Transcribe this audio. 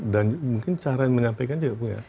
dan mungkin cara menyampaikan juga punya